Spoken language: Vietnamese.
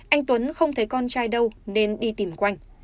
anh tuấn không thấy con trai đâu nên đi tìm quanh